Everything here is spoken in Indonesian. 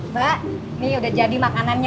mbak ini udah jadi makanannya